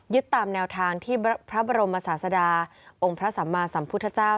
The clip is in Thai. ตามแนวทางที่พระบรมศาสดาองค์พระสัมมาสัมพุทธเจ้า